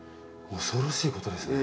恐ろしいことですね。